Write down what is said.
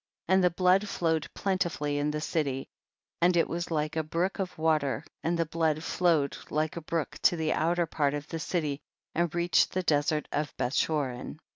51. And the blood ^owec^ plenti fully in the city, and it was like a brook of water, and the blood flowed like a brook to the outer part of the city, and reached the desert of Beth chorin.